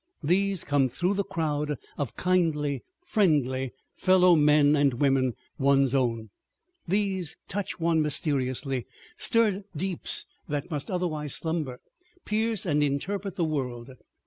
These come through the crowd of kindly friendly fellow men and women—one's own. These touch one mysteriously, stir deeps that must otherwise slumber, pierce and interpret the world.